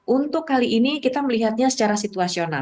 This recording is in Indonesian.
untuk kali ini kita melihatnya secara situasional